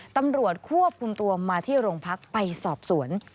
ตำรวจควบคุมตัวมาที่โรงพักไปสอบสวน